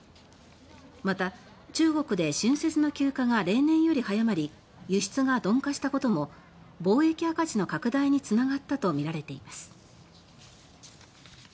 また、中国で春節の休暇が例年より早まり輸出が鈍化したことも貿易赤字の拡大につながったとみられています。